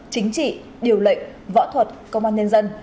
chính trị điều lệnh võ thuật công an nhân dân